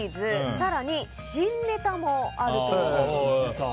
更に新ネタもあるということです。